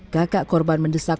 kakak korban mendesak